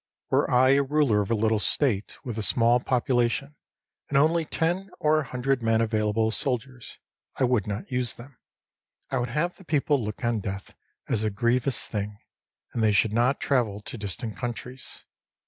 Were I ruler of a little State with a small population, and only ten or a hundred men available as soldiers, I would not use them. I would have the people look on death as a grievous thing, and they should not travel to distant countries.